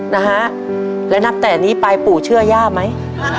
นะฮะแล้วนับแต่นี้ไปปู่เชื่อย่าไหม